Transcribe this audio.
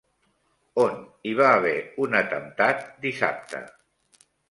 On hi va haver un atemptat dissabte?